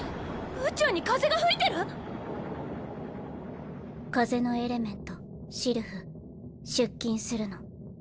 宇宙に風が吹いてる⁉風のエレメント・シルフ出勤するの。